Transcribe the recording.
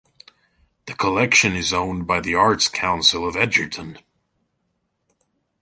The collection is owned by the Arts Council of Edgerton.